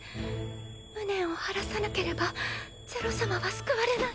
無念を晴らさなければ是露さまは救われない！